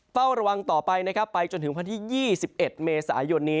เฝ้าระวังต่อไปนะครับไปจนถึงวันที่๒๑เมษายนนี้